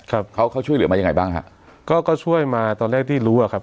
ครับเขาเขาช่วยเหลือมายังไงบ้างฮะก็ก็ช่วยมาตอนแรกที่รู้อ่ะครับ